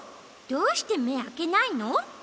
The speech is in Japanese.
どうしてめあけないの？